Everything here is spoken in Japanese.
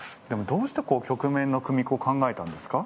どうして、曲面の組子を考えたんですか？